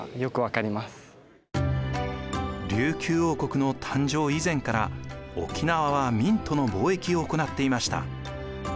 琉球王国の誕生以前から沖縄は明との貿易を行っていました。